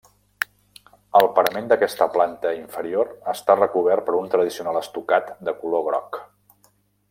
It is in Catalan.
El parament d'aquesta planta inferior està recobert per un tradicional estucat de color groc.